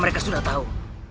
mereka sudah tahu